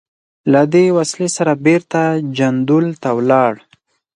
له دې وسلې سره بېرته جندول ته ولاړ.